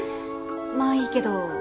まあいいけど。